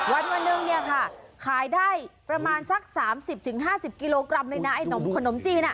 วันหนึ่งเนี่ยค่ะขายได้ประมาณสัก๓๐๕๐กิโลกรัมเลยนะไอ้ขนมจีน